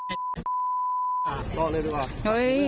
ไม่เอาพออย่าต้องใจเย็นดีกว่า